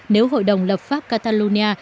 nếu hội đồng lập pháp catalonia